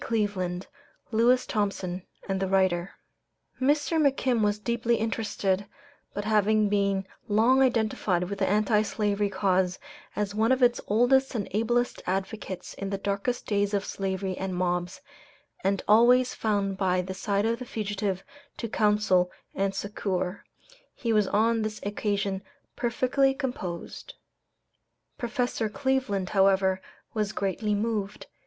D. Cleveland, Lewis Thompson, and the writer. Mr. McKim was deeply interested; but having been long identified with the Anti Slavery cause as one of its oldest and ablest advocates in the darkest days of slavery and mobs, and always found by the side of the fugitive to counsel and succor, he was on this occasion perfectly composed. Professor Cleveland, however, was greatly moved.